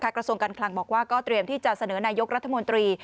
กระทรวงการคลังบอกว่าก็เตรียมที่จะเสนอนายกรัฐมนตรี